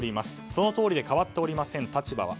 そのとおりで変わっておりません立場は。